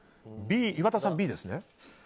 岩田さん、Ｂですね。